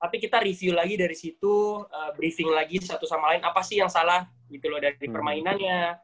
tapi kita review lagi dari situ briefing lagi satu sama lain apa sih yang salah gitu loh dari permainannya